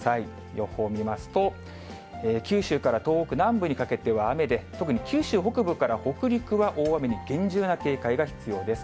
予報見ますと、九州から東北南部にかけては雨で、特に九州北部から北陸は大雨に厳重な警戒が必要です。